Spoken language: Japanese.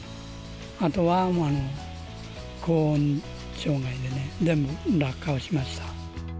あとはもう高温障害で、全部落果をしました。